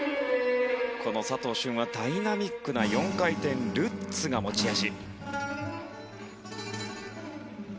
この佐藤駿はダイナミックな４回転ルッツが持ち味。